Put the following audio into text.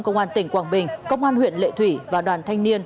công an tỉnh quảng bình công an huyện lệ thủy và đoàn thanh niên